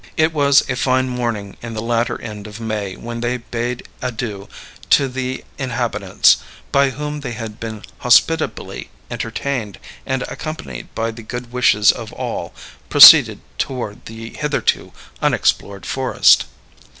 It was a fine morning in the latter end of May when they bade adieu to the inhabitants, by whom they had been hospitably entertained, and, accompanied by the good wishes of all, proceeded toward the hitherto unexplored forest.